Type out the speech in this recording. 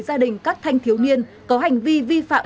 gia đình các thanh thiếu niên có hành vi vi phạm